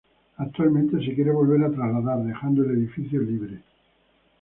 Actualmente se quiere volver a trasladar, dejando el edificio libre.